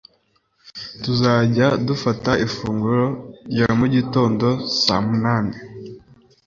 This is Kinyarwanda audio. Tuzajya dufata ifunguro rya mugitondo saa munani.